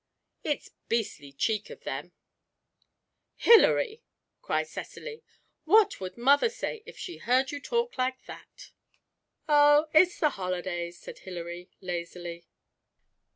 It's beastly cheek of them.' 'Hilary!' cried Cecily, 'what would mother say if she heard you talk like that?' 'Oh, it's the holidays!' said Hilary, lazily.